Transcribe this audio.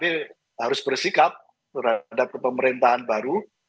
terus bersikap terhadap pemerintahan baru